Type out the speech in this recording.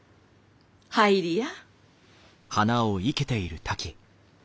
入りや。